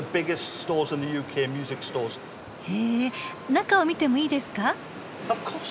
へえ中を見てもいいですか？